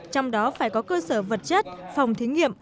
trong đó phải có cơ sở vật chất phòng thí nghiệm